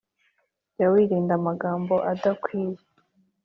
Jya wirinda amagambo adakwiye